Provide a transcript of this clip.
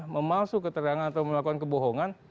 memalsu keterangan atau melakukan kebohongan